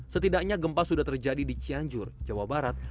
setidaknya gempa sudah terjadi di cianjur jawa barat